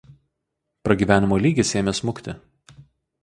Pragyvenimo lygis ėmė smukti.